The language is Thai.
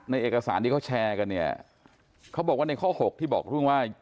เอกสารที่เขาแชร์กันเนี่ยเขาบอกว่าในข้อ๖ที่บอกเรื่องว่า